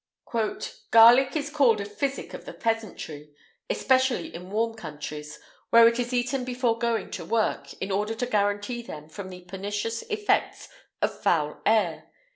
"Garlic is called the physic of the peasantry, especially in warm countries, where it is eaten before going to work, in order to guarantee them from the pernicious effects of foul air.